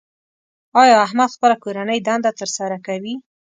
ایا احمد خپله کورنۍ دنده تر سره کوي؟